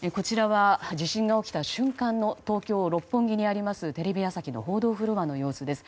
地震が起きた瞬間の東京・六本木にありますテレビ朝日の報道フロアの様子です。